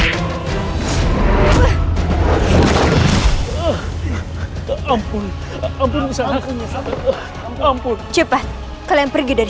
itu kan orang sendiri